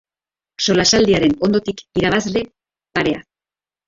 Solasaldiaren ondotik, irabazle parea.